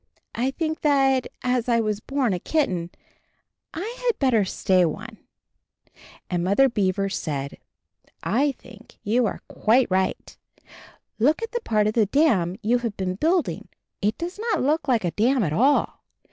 I think that, as I was born a kitten, I had better stay one." The Mother Beaver said, "I think you are quite right. Look at the part of the dam you have been building — it does not look like a dam at all!